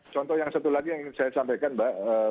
contoh yang satu lagi yang ingin saya sampaikan mbak